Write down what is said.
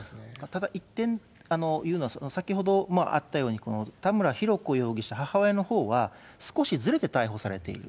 ただ１点いうのは、先ほどあったように、田村浩子容疑者、母親のほうは、少しずれて逮捕されている。